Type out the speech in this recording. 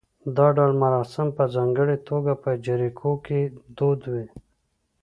دا ډول مراسم په ځانګړې توګه په جریکو کې دود و